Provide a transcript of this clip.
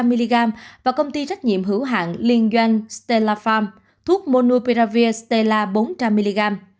hai trăm linh mg và công ty trách nhiệm hữu hạng liên doanh stella pharm thuốc monopiravir stella bốn trăm linh mg